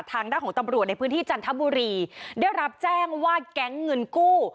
ทางด้านของตำรวจในพื้นที่จันทบุรีได้รับแจ้งว่าแก๊งเงินกู้